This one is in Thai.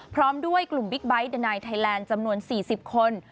พร้อมด้วยกลุ่มบิ๊กไบท์เดอร์ไนท์ไทยแลนด์จำนวน๔๐คน